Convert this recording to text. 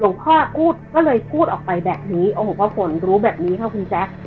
หลวงพ่อก็เลยพูดออกไปแบบนี้พระฝนรู้แบบนี้ครับคุณแจ๊ค